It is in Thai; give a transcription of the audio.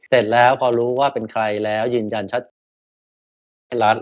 เสร็จแล้วพอรู้ว่าเป็นใครแล้วยืนยันชัดเจนว่าให้รัฐ